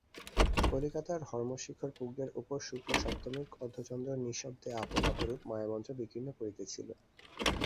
কলিকাতার হর্ম্যশিখরপুজ্ঞের উপর শুক্লসপ্তমীর অর্ধচন্দ্র নিঃশব্দে আপন অপরূপ মায়ামন্ত্র বিকীর্ণ করিতেছিল।